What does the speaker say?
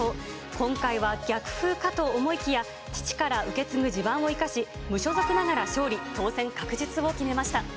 今回は逆風かと思いきや、父から受け継ぐ地盤を生かし、無所属ながら勝利。